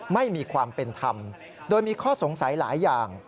ไม่มีความเป็นธรรมโดยมีข้อสงสัยหลายอย่าง